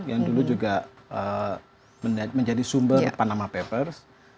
yang dulu juga menjadi sumber panama papers